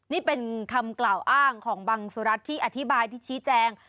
นี่เป็นคำกล่าวอ้างของบังสุรัตน์ที่อธิบายที่ชี้แจง